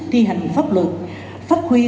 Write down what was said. thi hành pháp luật phát huy